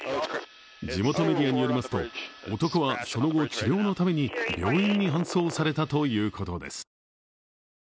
地元メディアによりますと、男はその後治療のために病院に搬送されたということです。